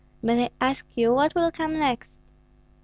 But I ask you what will come next?"